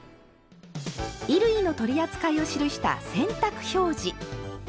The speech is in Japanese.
衣類の取り扱いを記した「洗濯表示」。